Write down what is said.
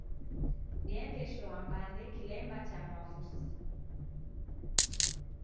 Diende shoa mbande kilemba cha Mwafusi.